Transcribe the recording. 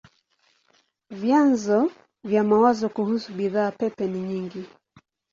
Vyanzo vya mawazo kuhusu bidhaa pepe ni nyingi.